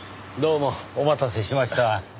どうもお待たせしました。